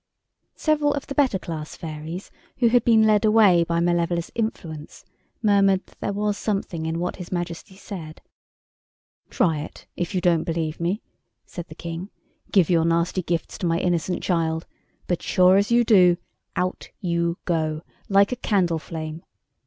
Several of the better class fairies who had been led away by Malevola's influence murmured that there was something in what His Majesty said. "Try it, if you don't believe me," said the King; "give your nasty gifts to my innocent child—but as sure as you do, out you go, like a candle flame.